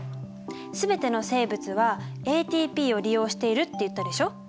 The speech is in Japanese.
全ての生物はＡＴＰを利用しているって言ったでしょ？